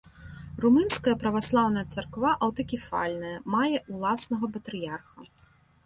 Румынская праваслаўная царква аўтакефальная, мае ўласнага патрыярха.